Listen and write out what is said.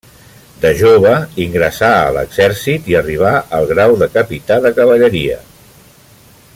De jove ingressà a l'exèrcit i arribà al grau de capità de cavalleria.